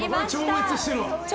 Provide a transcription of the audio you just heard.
超越してるわ。